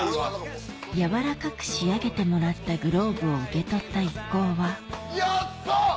柔らかく仕上げてもらったグローブを受け取った一行はやった！